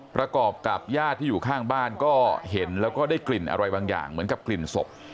ประกอบกับญาติที่อยู่ข้างบ้านก็เห็นแล้วก็ได้กลิ่นอะไรบางอย่างเหมือนกับกลิ่นศพ